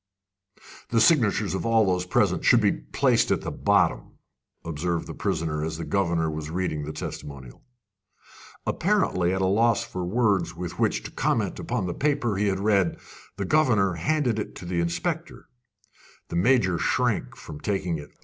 "The signatures of all those present should be placed at the bottom," observed the prisoner, as the governor was reading the "testimonial." Apparently at a loss for words with which to comment upon the paper he had read, the governor handed it to the inspector. The Major shrank from taking it.